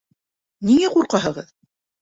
Ниңә ҡурҡаһығыҙ?